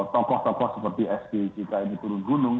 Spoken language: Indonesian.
tokoh tokoh seperti sdi jika ini turun gunung